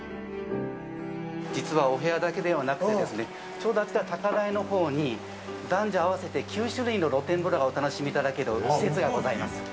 実は、お部屋だけではなくてちょうどあちら、高台のほうに男女合わせて９種類の露天風呂がお楽しみいただける施設がございます。